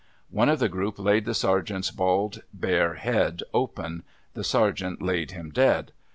One of the group laid the Sergeant's bald bare head open. The Sergeant laid him dead.